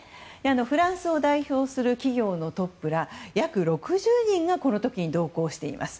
フランスを代表する企業のトップら約６０人がこの時、同行しています。